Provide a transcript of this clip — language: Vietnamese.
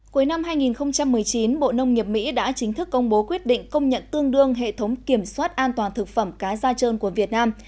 cuối năm hai nghìn một mươi chín bộ nông nghiệp mỹ đã chính thức công bố quyết định công nhận tương đương hệ thống kiểm soát an toàn thực phẩm cá da trơn của việt nam